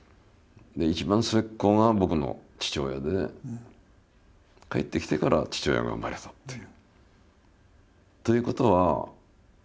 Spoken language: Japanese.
一番末っ子が僕の父親で帰ってきてから父親が生まれたっていう。